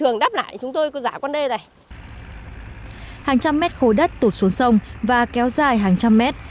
hàng trăm mét khối đất tụt xuống sông và kéo dài hàng trăm mét